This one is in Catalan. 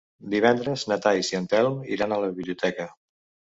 Divendres na Thaís i en Telm iran a la biblioteca.